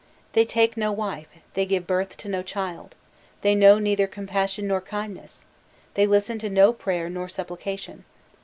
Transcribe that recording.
They take no wife, they give birth to no child, they know neither compassion nor kindness, they listen to no prayer nor supplication.